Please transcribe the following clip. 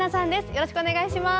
よろしくお願いします。